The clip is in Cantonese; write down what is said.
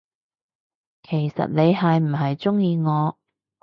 其實你係唔係唔鍾意我，？